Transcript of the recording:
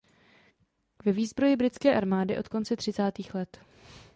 Ve výzbroji britské armády od konce třicátých let.